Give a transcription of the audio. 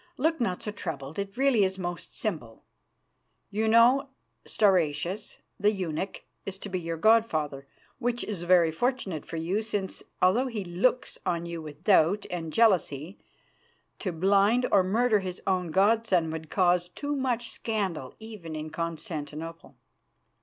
Look not so troubled; it is really most simple. You know Stauracius, the eunuch, is to be your god father, which is very fortunate for you, since, although he looks on you with doubt and jealousy, to blind or murder his own god son would cause too much scandal even in Constantinople.